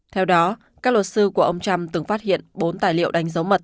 theo đó các luật sư của ông trump từng phát hiện bốn tài liệu đánh dấu mật